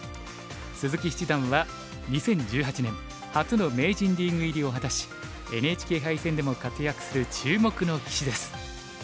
鈴木七段は２０１８年初の名人リーグ入りを果たしＮＨＫ杯戦でも活躍する注目の棋士です。